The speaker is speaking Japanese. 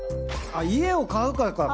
家を買うかか。